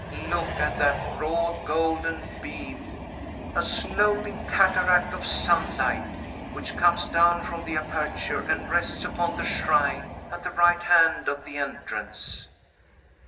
Look at that broad, golden beam a sloping cataract of sunlight which comes down from the aperture and rests upon the shrine, at the right hand of the entrance!"